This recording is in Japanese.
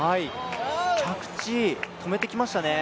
着地、止めてきましたね。